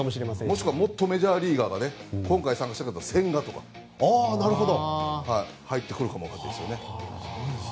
もしくはもっとメジャーリーガーが今回参加しなかった千賀とかが入ってくるかもしれないです。